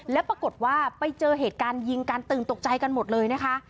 แล้วปรากฏว่าไปเจอเหตุการณ์ยิงกันตื่นตกใจกันหมดเลยนะคะ